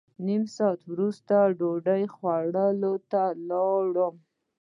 نیم ساعت وروسته ډوډۍ خوړلو ته لاړم.